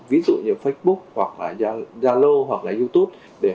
ví dụ như facebook zalo hoặc là youtube